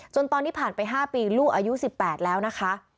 ตอนนี้ผ่านไป๕ปีลูกอายุ๑๘แล้วนะคะ